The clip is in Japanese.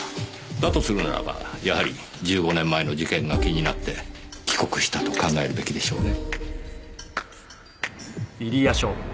だとするならばやはり１５年前の事件が気になって帰国したと考えるべきでしょうね。